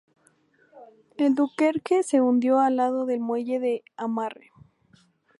El Dunkerque se hundió al lado del muelle de amarre.